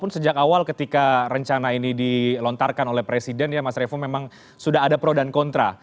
sejak awal ketika rencana ini dilontarkan oleh presiden ya mas revo memang sudah ada pro dan kontra